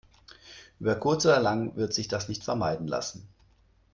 Über kurz oder lang wird sich das nicht vermeiden lassen.